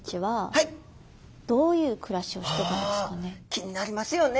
気になりますよね。